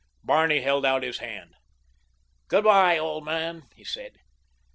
Barney held out his hand. "Good bye, old man," he said.